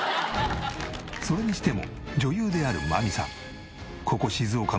それにしても女優である真実さん